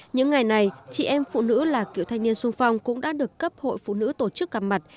những ngày này chị em phụ nữ là cựu thanh niên sung phong cũng đã được cấp hội phụ nữ tổ chức gặp mặt